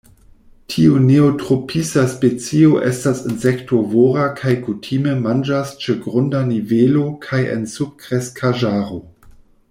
Tiu neotropisa specio estas insektovora kaj kutime manĝas ĉe grunda nivelo kaj en subkreskaĵaro.